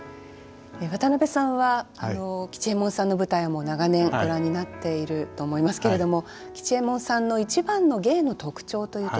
渡辺さんは吉右衛門さんの舞台も長年ご覧になっていると思いますけれども吉右衛門さんの一番の芸の特徴というとどういうところでしょう？